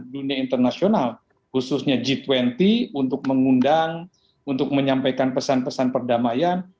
dunia internasional khususnya g dua puluh untuk mengundang untuk menyampaikan pesan pesan perdamaian